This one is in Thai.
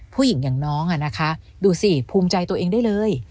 ผู้หญิงอย่างน้องดูสิภูมิใจตัวเองได้เลย